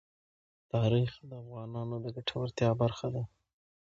تاریخ د افغانانو د ګټورتیا برخه ده.